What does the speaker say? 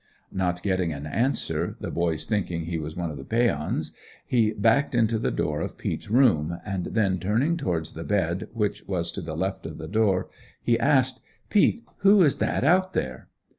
Not getting an answer, the boys thinking he was one of the Peons, he backed into the door of Peet's room, and then turning towards the bed, which was to the left of the door, he asked: "Peet, who is that out there?"